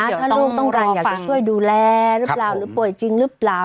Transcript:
ถ้าลูกต้องการอยากจะช่วยดูแลหรือเปล่าหรือป่วยจริงหรือเปล่า